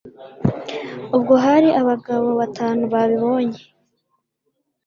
Ubwo hari abagabo batanu babibonye.